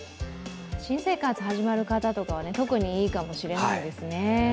新生活始まる方とかは特にいいかもしれないですね。